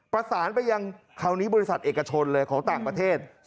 ประสานไปยังคราวนี้บริษัทเอกชนเลยของต่างประเทศ